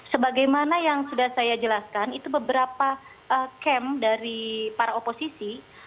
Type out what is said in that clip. sebagaimana yang sudah saya jelaskan itu beberapa camp dari para oposisi